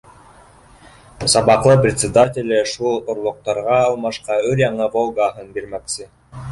Сабаҡлы председателе шул орлоҡтарға алмашҡа өр-яңы «Волга»һын бирмәксе.